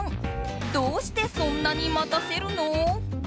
どうしてそんなに待たせるの？